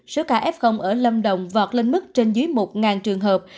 số ca f ở lâm đồng vọt lên mức trên dưới một trường hợp